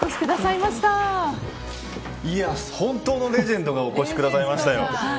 いや、本当のレジェンドがお越しくださいましたよ。